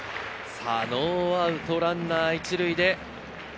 ノーアウトランナー１塁で。